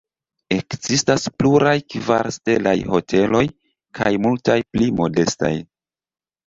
Ekzistas pluraj kvar-stelaj hoteloj kaj multaj pli modestaj.